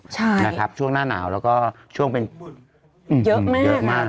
ช่วงหน้าหนาวแล้วก็ช่วงเป็นเยอะมาก